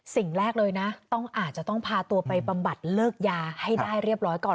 สิ่งแรกเลยนะต้องอาจจะต้องพาตัวไปบำบัดเลิกยาให้ได้เรียบร้อยก่อน